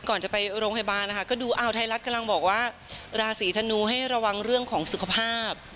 ก่อนจะไปโรงพยาบาลนะคะก็ดูอ้าวไทยรัฐกำลังบอกว่าราศีธนูให้ระวังเรื่องของสุขภาพ